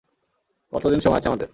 কতদিন সময় আছে আমাদের?